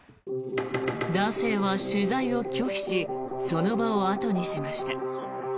男性は取材を拒否しその場を後にしました。